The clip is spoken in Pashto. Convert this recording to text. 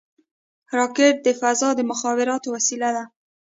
راکټ د فضا د مخابراتو وسیله ده